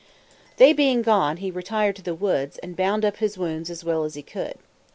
They being gone, he retired to the woods, and bound up his wounds as well as he could.